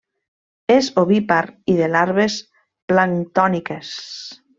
És ovípar i de larves planctòniques.